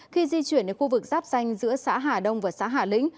khi di chuyển đến khu vực giáp danh giữa xã hà đông và xã hà lĩnh